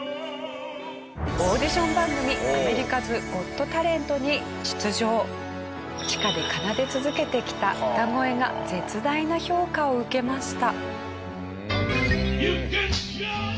そんな彼の地下で奏で続けてきた歌声が絶大な評価を受けました。